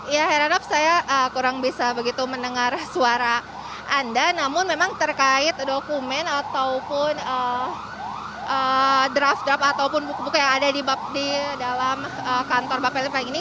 ya heranap saya kurang bisa begitu mendengar suara anda namun memang terkait dokumen ataupun draft draft ataupun buku buku yang ada di dalam kantor bapelit bank ini saya juga belum mengetahuinya